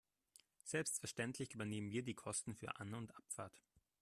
Selbstverständlich übernehmen wir die Kosten für An- und Abfahrt.